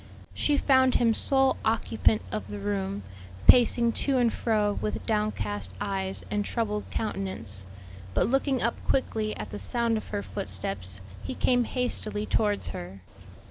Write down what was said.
She found him sole occupant of the room, pacing to and fro with downcast eyes and troubled countenance. But looking up quickly at the sound of her footsteps he came hastily towards her.